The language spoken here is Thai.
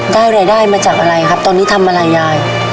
รายได้มาจากอะไรครับตอนนี้ทำอะไรยาย